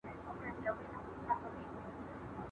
¬ ته مي بزې وهه، زه به دي روژې وهم.